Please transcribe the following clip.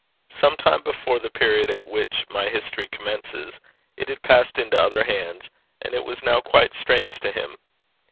Some time before the period at which my history commences it had passed into other hands, and it was now quite strange to him.